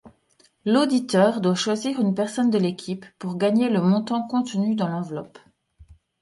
L'auditeur doit choisir une personne de l'équipe pour gagner le montant contenu dans l'enveloppe.